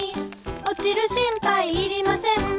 「おちる心配いりません」